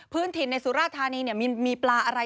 พื้นถิ่นในสุราธารณีเนี่ยมีปลาอะไร